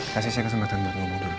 kasih saya kesempatan buat ngomong dulu